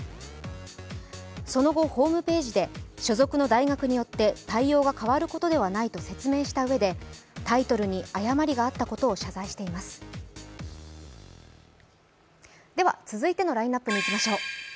その後、ホームページで所属の大学によって対応変わることではないと説明したうえでタイトルに誤りがあったことを謝罪しています。